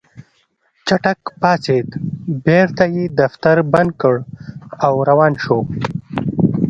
چټک پاڅېد بېرته يې دفتر بند کړ او روان شو.